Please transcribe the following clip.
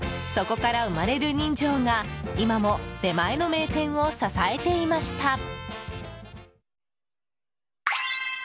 そこから生まれる人情が今も出前の名店を支えていました。